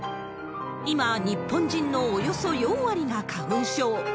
今、日本人のおよそ４割が花粉症。